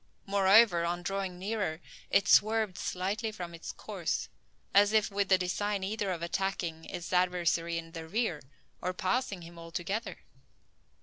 Moreover, on drawing nearer, it swerved slightly from its course, as if with the design either of attacking its adversary in the rear, or passing him altogether!